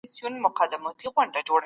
موږ وختونه ساتو.